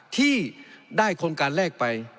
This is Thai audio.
ที่ได้โครงการแรกไป